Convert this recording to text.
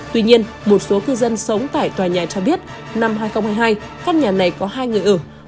tuy nhiên một số cư dân sống tại tòa nhà cho biết năm hai nghìn hai mươi hai căn nhà này có hai người ở